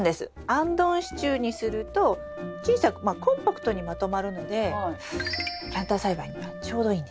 あんどん支柱にすると小さくコンパクトにまとまるのでプランター栽培にはちょうどいいんですよ。